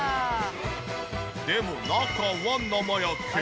でも中は生焼け。